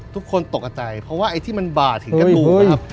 ทุกคนตกใจเพราะว่าไอที่บามือถึงกระดูก